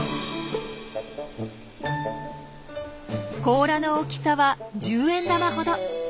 甲羅の大きさは十円玉ほど。